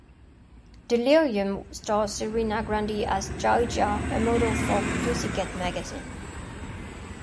"Delerium" stars Serena Grandi as Gioia, a model for "Pussycat" magazine.